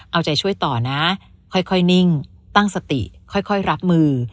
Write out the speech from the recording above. เอาใจช่วยต่อนะค่อยนิ่งตั้งสติค่อยรับมือ